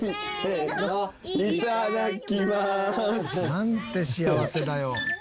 「なんて幸せだよ」